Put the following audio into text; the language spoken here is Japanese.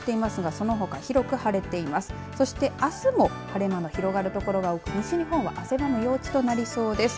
そして、あすも晴れ間の広がる所が多く西日本は汗ばむ陽気となりそうです。